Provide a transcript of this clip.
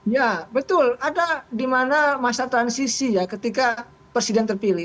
ya betul ada di mana masa transisi ya ketika presiden terpilih